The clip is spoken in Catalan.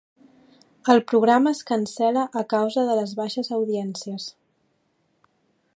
El programa es cancel·là a causa de les baixes audiències.